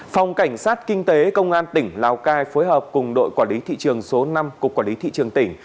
phòng cảnh sát kinh tế công an tỉnh lào cai phối hợp cùng đội quản lý thị trường số năm cục quản lý thị trường tỉnh